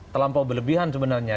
terlampau berlebihan sebenarnya